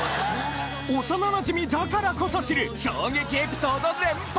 幼馴染だからこそ知る衝撃エピソード連発！